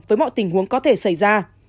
với mọi tình huống có thể xảy ra